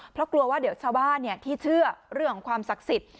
เพราะกลัวว่าเดี๋ยวชาวบ้านที่เชื่อเรื่องของความศักดิ์สิทธิ์